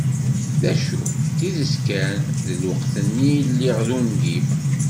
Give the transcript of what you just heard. D acu, d tidet kan, deg lweqt-nni lliɣ d ungif.